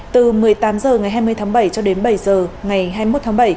từ một mươi tám h ngày hai mươi tháng bảy cho đến bảy h ngày hai mươi một tháng bảy